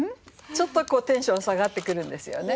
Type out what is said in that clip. ちょっとテンション下がってくるんですよね。